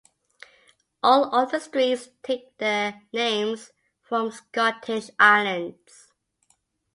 All of the streets take their names from Scottish islands.